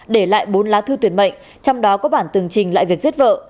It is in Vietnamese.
để lại bốn lá thư tuyệt mệnh trong đó có bản tường trình lại việc giết vợ